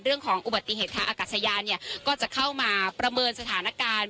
เรื่องของอุบัติเหตุทางอากาศยานเนี่ยก็จะเข้ามาประเมินสถานการณ์